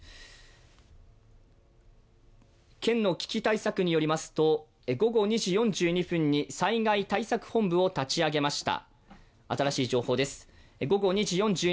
県の危機対策によりますと午後２時４２分に災害対策本部を立ち上げました。